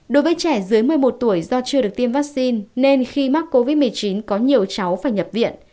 đối với trẻ dưới một mươi một tuổi do chưa được tiêm vaccine nên khi mắc covid một mươi chín có nhiều cháu phải nhập viện